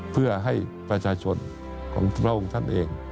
เพื่อให้ประชาชนของพระองค์ท่านเอง